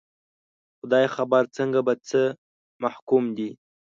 خدای خبر څنګه، په څه محکوم دي